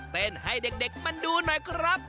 เต้นให้เด็กมาดูหน่อยครับ